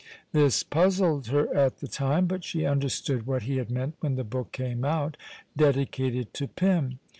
This puzzled her at the time, but she understood what he had meant when the book came out, dedicated to Pym.